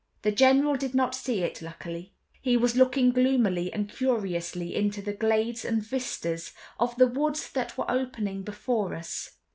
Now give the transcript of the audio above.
The General did not see it, luckily. He was looking gloomily and curiously into the glades and vistas of the woods that were opening before us.